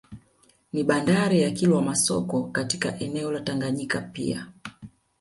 Ni bandari ya Kilwa Masoko katika eneo la Tanganyika pia